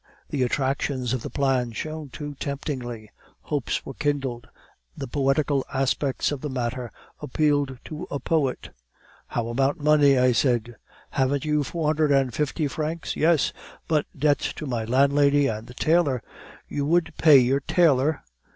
The attractions of the plan shone too temptingly, hopes were kindled, the poetical aspects of the matter appealed to a poet. "'How about money?' I said. "'Haven't you four hundred and fifty francs?' "'Yes, but debts to my landlady and the tailor ' "'You would pay your tailor?